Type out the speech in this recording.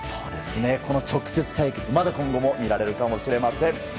この直接対決、まだ今後も見られるかもしれません。